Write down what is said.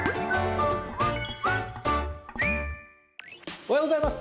おはようございます。